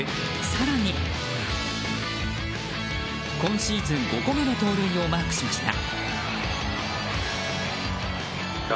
更に、今シーズン５個目の盗塁をマークしました。